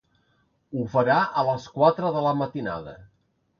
Ho farà a les quatre de la matinada.